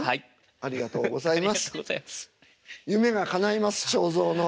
ありがとうございます。